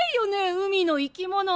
海の生き物！